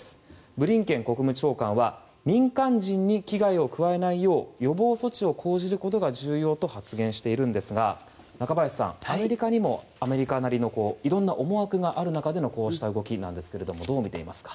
ブリンケン国務長官は民間人に危害を加えないよう予防措置を講じることが重要と発言しているんですが中林さん、アメリカにもアメリカなりのいろんな思惑がある中でのこうした動きなんですがどう見ていますか。